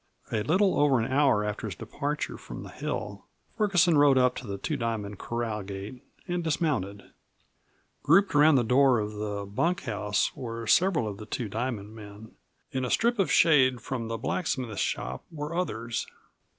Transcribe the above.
A little over an hour after his departure from the hill, Ferguson rode up to the Two Diamond corral gate and dismounted. Grouped around the door of the bunkhouse were several of the Two Diamond men; in a strip of shade from the blacksmith shop were others.